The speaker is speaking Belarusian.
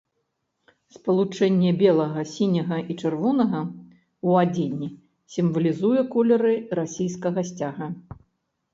Спалучэнне белага, сіняга і чырвонага ў адзенні сімвалізуе колеры расійскага сцяга.